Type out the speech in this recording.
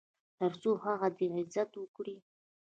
تر څو هغه دې عزت وکړي .